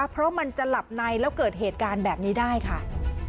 เพราะมันจะหลับในแล้วเกิดเหตุการณ์แบบนี้ได้ค่ะ